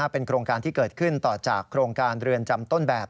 เป็นโครงการที่เกิดขึ้นต่อจากโครงการเรือนจำต้นแบบ